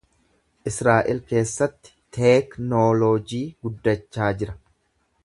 Israa’el keessatti teeknooloojii guddachaa jira.